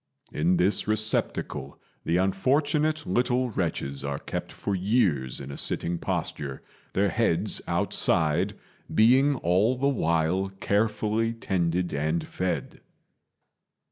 In this receptacle the unfortunate little wretches are kept for years in a sitting posture, their heads outside, being all the while carefully tended and fed....